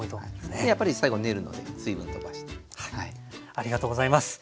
ありがとうございます。